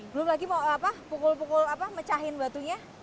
belum lagi mau apa pukul pukul apa mecahin batunya